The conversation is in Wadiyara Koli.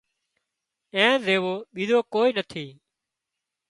اين زيوو ٻيزو ڪوئي نٿِي